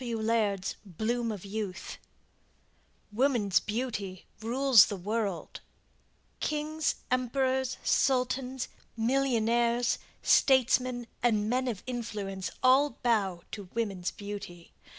W. Laird's "Bloom of Youth" WOMAN'S BEAUTY RULES THE WORLD Kings, Emperors, Sultans, Millionaires, Statesmen and men of influence all bow to women's beauty.